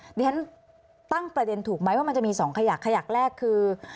เดี๋ยวฉันตั้งประเด็นถูกไหมว่ามันจะมีสองขยักขยักแรกคือ